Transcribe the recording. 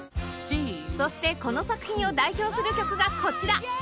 そしてこの作品を代表する曲がこちら